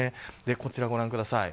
こちら、ご覧ください。